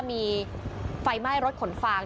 มีไฟไหม้รถขนฟาง